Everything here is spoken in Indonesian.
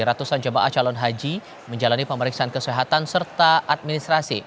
ratusan jemaah calon haji menjalani pemeriksaan kesehatan serta administrasi